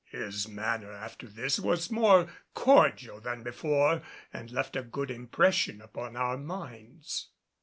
His manner after this was more cordial than before and left a good impression upon our minds.